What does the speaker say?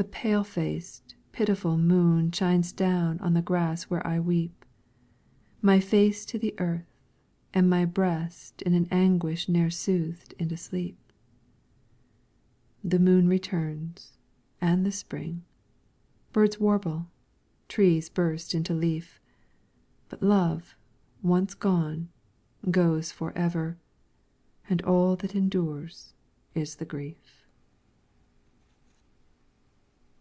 The pale faced, pitiful moon shines down on the grass where I weep, My face to the earth, and my breast in an anguish ne'er soothed into sleep. The moon returns, and the spring; birds warble, trees burst into leaf; But Love, once gone, goes for ever, and all that endures is the grief.